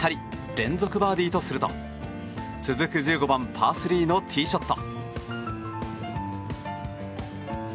連続バーディーとすると続く１５番、パー３のティーショット。